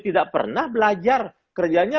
tidak pernah belajar kerjanya